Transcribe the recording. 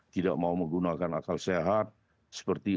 tidak mau menggunakan akal sehat seperti